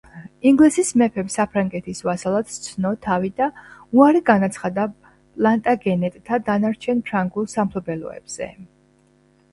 ინგლისის მეფემ საფრანგეთის ვასალად სცნო თავი და უარი განაცხადა პლანტაგენეტთა დანარჩენ ფრანგულ სამფლობელოებზე.